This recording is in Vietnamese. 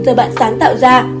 giờ bạn sáng tạo ra